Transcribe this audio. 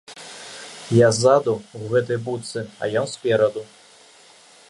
Я ззаду, ў гэтай будцы, а ён спераду.